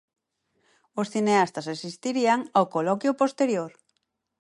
Os cineastas asistirían ao coloquio posterior.